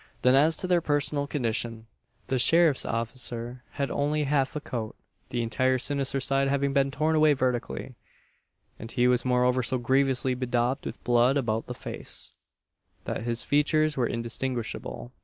Then as to their personal condition: the sheriff's officer had only half a coat the entire sinister side having been torn away vertically; and he was moreover so grievously bedaubed with blood about the face, that his features were indistinguishable.